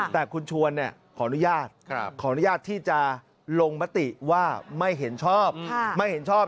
แต่คุณชวนขออนุญาตขออนุญาตที่จะลงมติว่าไม่เห็นชอบไม่เห็นชอบ